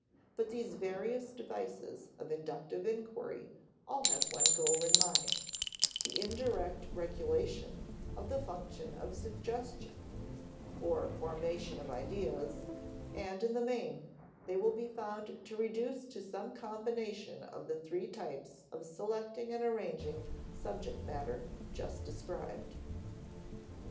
But these various devices of inductive inquiry all have one goal in view: the indirect regulation of the function of suggestion, or formation of ideas; and, in the main, they will be found to reduce to some combination of the three types of selecting and arranging subject matter just described.